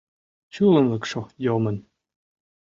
Чулымлыкшо йомын.